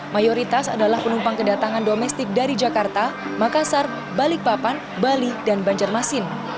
mayoritas adalah penumpang kedatangan domestik dari jakarta makassar balikpapan bali dan banjarmasin